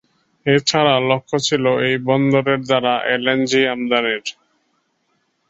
এছাড়া লক্ষ্য ছিল এই বন্দরের দ্বারা এলএনজি আমদানির।